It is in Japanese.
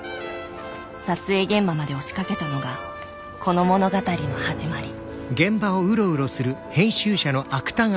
撮影現場まで押しかけたのがこの物語の始まり